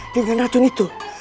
dengan racun itu